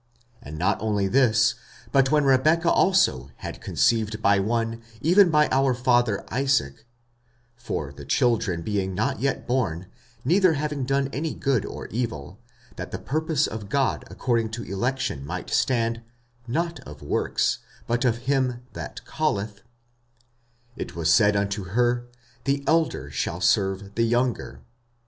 45:009:010 And not only this; but when Rebecca also had conceived by one, even by our father Isaac; 45:009:011 (For the children being not yet born, neither having done any good or evil, that the purpose of God according to election might stand, not of works, but of him that calleth;) 45:009:012 It was said unto her, The elder shall serve the younger.